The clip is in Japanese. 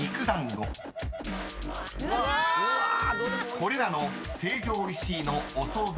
［これらの成城石井のお惣菜